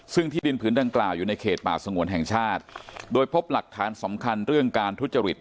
ซึ่งที่ดินผืนดังกล่าวอยู่ในเขตป่าสงวนแห่งชาติโดยพบหลักฐานสำคัญเรื่องการทุจริต